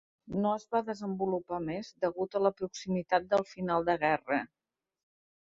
No es va desenvolupar més degut a la proximitat del final de guerra.